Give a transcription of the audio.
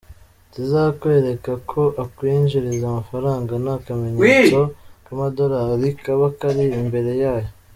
Ikizakwereka ko akwinjiriza amafaranga ni akamenyetso k’amadolari “$” kaba kari imbere yayo.